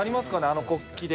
あの国旗で。